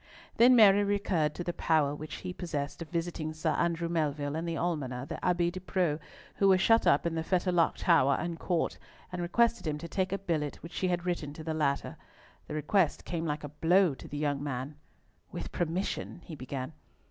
Then Mary recurred to the power which he possessed of visiting Sir Andrew Melville and the Almoner, the Abbe de Preaux, who were shut up in the Fetterlock tower and court, and requested him to take a billet which she had written to the latter. The request came like a blow to the young man. "With permission—" he began.